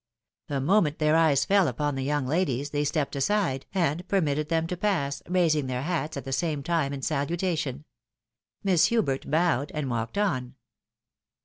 The moment their eyes fell upon the young ladies, they stepped aside, and permitted them to pass, raising their hats at the same time in salutation. Miss Hubert bowed, and walked on.